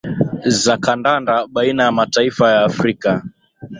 za kandanda baina ya mataifa ya afrika